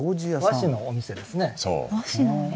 和紙のお店ですね。